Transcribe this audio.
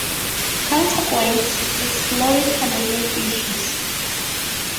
Counter Points: Exploring Canadian Issues.